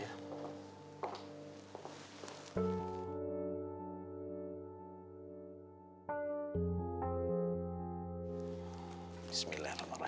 ya para raya gabung mereka